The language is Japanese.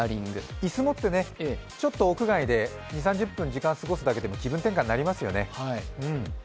椅子持って、ちょっと屋外で２０３０分過ごすだけでも気分転換になりますよね。